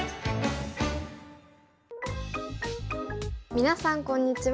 皆さんこんにちは。